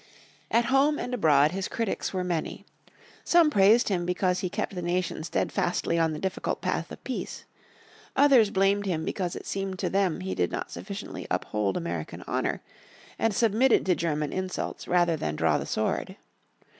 At home and abroad his critics were many. Some praised him because he kept the nation steadfastly on the difficult path of peace, others blamed him because it seemed to them he did not sufficiently uphold American honour, and submitted to German insults rather than draw the sword.